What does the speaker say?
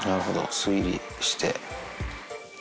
推理して。